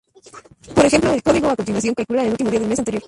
Por ejemplo el código a continuación calcula el último día del mes anterior.